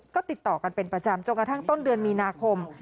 ก็ติดต่อกันเป็นประจำจนกระทั่งต้นเดือนมีนาคม